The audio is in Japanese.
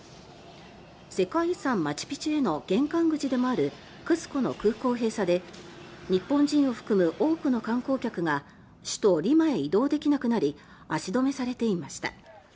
世界遺産マチュ・ピチュへの玄関口でもあるクスコの空港閉鎖で日本人を含む多くの観光客が首都リマへ移動できなくなり足止めされていました。